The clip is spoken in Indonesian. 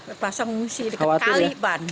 terpaksa mengungsi di kaliban